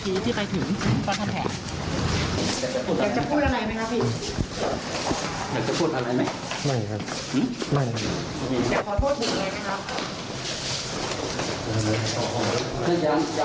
ทีที่ไปถึงบรรทันแผน